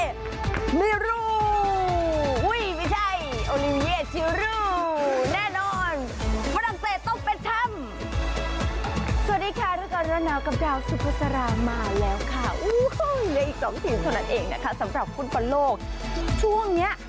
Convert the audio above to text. สวัสดีค่ะร้อนหนาวกับดาวซุปเปอร์สารามาแล้วค่ะในอีกสองชีวิตเท่านั้นเองนะคะสำหรับคุณปะโลกช่วงนี้